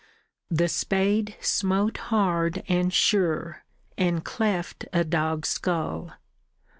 The spade smote hard and sure, and cleft a dog's skull.